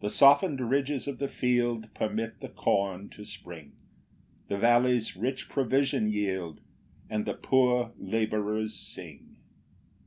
3 The soften'd ridges of the field Permit the corn to spring; The vallies rich provision yield, And the poor labourers sing.